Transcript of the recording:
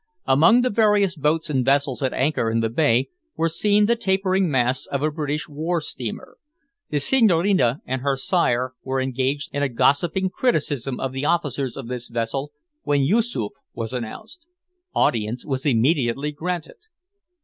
Among the various boats and vessels at anchor in the bay, were seen the tapering masts of a British war steamer. The Senhorina and her sire were engaged in a gossiping criticism of the officers of this vessel when Yoosoof was announced. Audience was immediately granted.